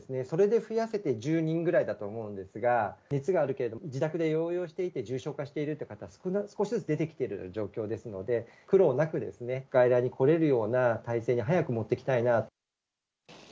それで増やせて１０人ぐらいだと思うんですが、熱があるけど、自宅で療養していて重症化しているという方が、少しずつ出てきている状況ですので、苦労なくですね、外来に来れるような体制に早く持っていきたいな。